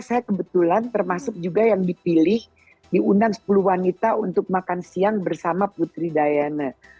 saya kebetulan termasuk juga yang dipilih diundang sepuluh wanita untuk makan siang bersama putri diana